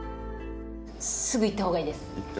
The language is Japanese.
すぐ行ったほうがいいです。